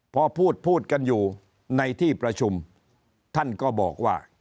พอพูดพูดกันอยู่ในที่ประชุมท่านก็บอกว่า